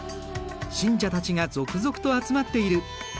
信者たちが続々と集まっている。